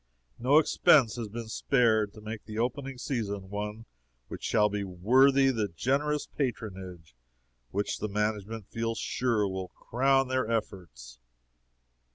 No expense has been spared to make the opening season one which shall be worthy the generous patronage which the management feel sure will crown their efforts.